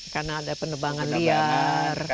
karena ada penebangan liang